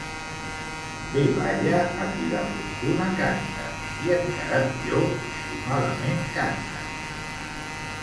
Bé balla a qui la fortuna canta i encara millor si malament canta.